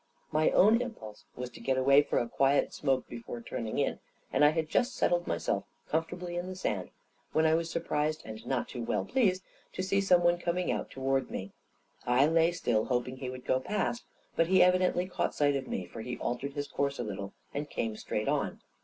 My own impulse was to get away for a quiet smoke before turning in; and I had just settled myself comfortably in the sand when I was surprised, and not too well pleased, to see some one coming to ward me. I lay still, hoping he would go past, but he evidently caught sight of me, for he altered his course a little, and came straight on.